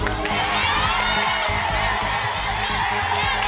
ไม่ออก